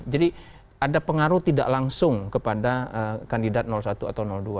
jadi ada pengaruh tidak langsung kepada kandidat satu atau dua